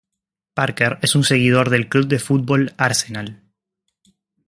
Parker es un seguidor del club de fútbol Arsenal.